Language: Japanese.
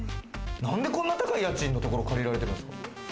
なんでこんな高い家賃のところを借りられてるんですか？